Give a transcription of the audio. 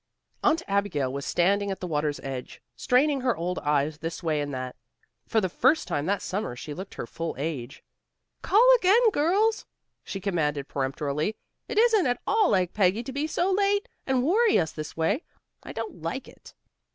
Aunt Abigail was standing at the water's edge, straining her old eyes this way and that. For the first time that summer she looked her full age. "Call again, girls!" she commanded peremptorily. "It isn't at all like Peggy to be so late, and worry us this way. I don't like it."